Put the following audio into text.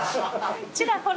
ちらほら。